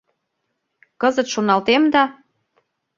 — Кызыт шоналтем да...